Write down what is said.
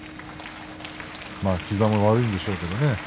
膝も悪いんでしょうけどね